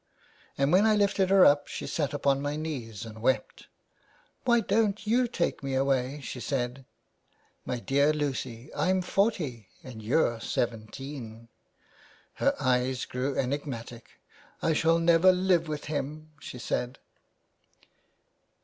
And when I lifted her up she sat upon my knees and wept. * Why don't you take me away/ she said. * My dear Lucy, I'm forty and you're seventeen.' Her eyes grew enigmatic. * I shall never live with him/ she said.